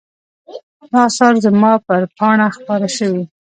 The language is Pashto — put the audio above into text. دا آثار زما پر پاڼه خپاره شوي.